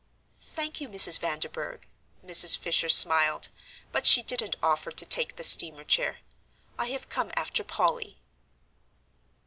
"Thank you, Mrs. Vanderburgh." Mrs. Fisher smiled, but she didn't offer to take the steamer chair. "I have come after Polly."